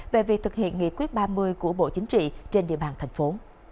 về việc thực hiện nghị quyết ba mươi của bộ chính trị trên địa bàn thành phố